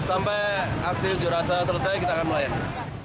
sampai aksi ujur rasa selesai kita akan melayani